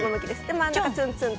真ん中をツンツンと。